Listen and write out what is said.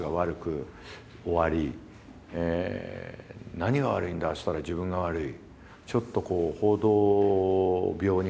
何が悪いんだっつったら自分が悪い。